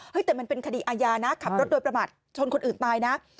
แต่มันเป็นคดีอาญานะขับรถโดยประมาทชนคนอื่นตายนะ